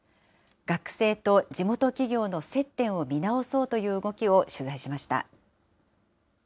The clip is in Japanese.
学生と地元企業の接点を見直そうという動きを取材しました。